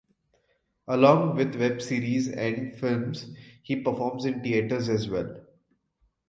Along with web series and films he performs in theaters as well.